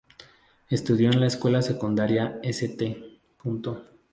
Estudió en la escuela secundaria St.